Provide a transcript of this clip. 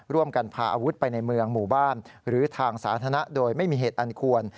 ร่วมกันพาอาวุธไปในเมืองหมู่บ้านหรือทางสาธารณะโดยไม่มีเหตุอันควร